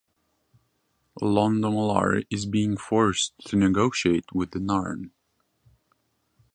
Londo Mollari is being forced to negotiate with the Narn.